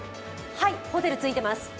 はい、ホテルついてます。